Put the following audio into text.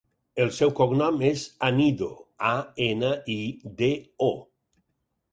El seu cognom és Anido: a, ena, i, de, o.